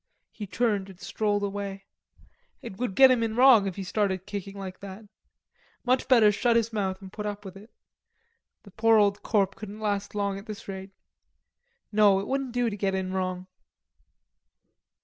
He turned and strolled away. It would get him in wrong if he started kicking like that. Much better shut his mouth and put up with it. The poor old corp couldn't last long at this rate. No, it wouldn't do to get in wrong.